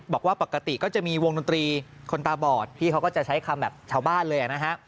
บอกว่าปกติก็จะมีวงดนตรีคนตาบอดพี่เขาก็จะใช้คำแบบชาวบ้านเลยนะฮะ